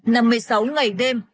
năm một mươi sáu ngày đêm